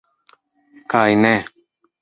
Kaj ne!